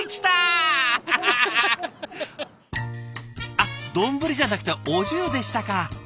あっ丼じゃなくてお重でしたか。